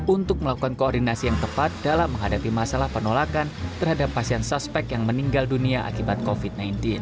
untuk melakukan koordinasi yang tepat dalam menghadapi masalah penolakan terhadap pasien suspek yang meninggal dunia akibat covid sembilan belas